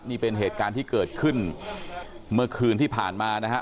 นี่เป็นเหตุการณ์ที่เกิดขึ้นเมื่อคืนที่ผ่านมานะฮะ